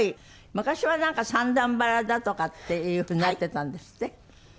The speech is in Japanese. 昔は三段腹だとかっていう風になってたんですって？